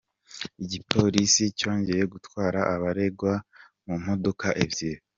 Igipolisi cyongeye gutwara abaregwa mu modoka ebyiri.